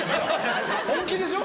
本気でしょ？